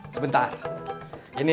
sebentar ini nih